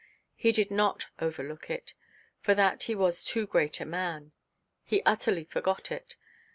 He did not overlook it. For that he was too great a man. He utterly forgot it.